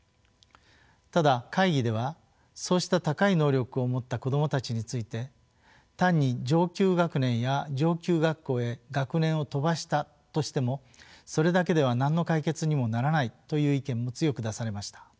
ただ会議ではそうした高い能力を持った子どもたちについて単に上級学年や上級学校へ学年を飛ばしたとしてもそれだけでは何の解決にもならないという意見も強く出されました。